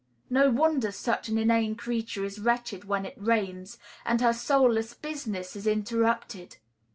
No wonder such an inane creature is wretched when it rains, and her soulless business is interrupted.